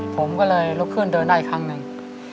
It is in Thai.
ผมก็เลยลุกขึ้นเดินได้อีกครั้งหนึ่ง